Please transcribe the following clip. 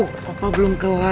papa belum kelar ra